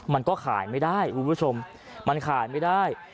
มันก็ขายไม่ได้คุณผู้ชมมันขายไม่ได้